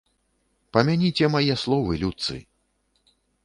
Памяніце мае словы, людцы.